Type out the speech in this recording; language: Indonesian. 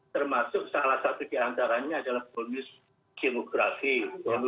termasuk salah satu di antaranya adalah bonus geografi bonus digital